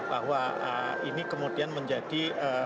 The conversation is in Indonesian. bahwa ini kemudian menjadi